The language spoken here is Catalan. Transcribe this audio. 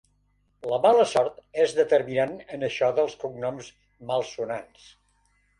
La mala sort és determinant en això dels cognoms malsonants.